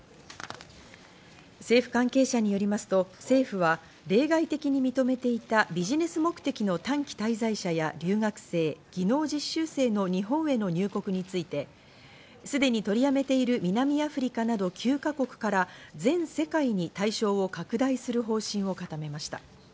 政府関係者によりますと、政府は例外的に認めていたビジネス目的の短期滞在者や留学生、技能実習生の日本への入国についてすでに取りやめている南アフリカなど９か国から全世界に対象を拡大する方針を固めました。